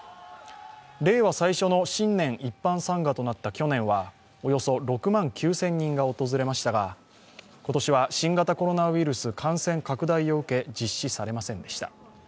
令和最初の新年一般参賀となった去年はおよそ６万９０００人が訪れましたが今年は新型コロナウイルス感染拡大を受け実施されませんでした。